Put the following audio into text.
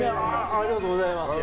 ありがとうございます。